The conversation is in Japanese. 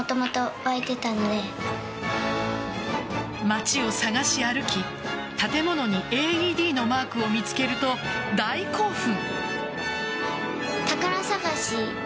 街を探し歩き建物にＡＥＤのマークを見つけると大興奮。